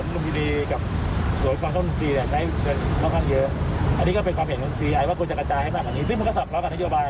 มีนโยบายสวน๑๕ทีหรือว่าพยาบาลให้เดินถึงสวน๑๕ทีจากบ้าน